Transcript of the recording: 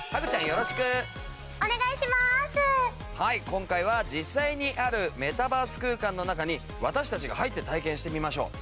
今回は実際にあるメタバース空間の中に私たちが入って体験してみましょう。